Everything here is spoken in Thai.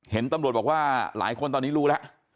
เห็นตำรวจบอกว่าหลายคนตอนนี้รู้แล้ว